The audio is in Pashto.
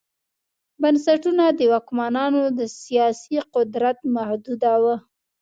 بنسټونه د واکمنانو سیاسي قدرت محدوداوه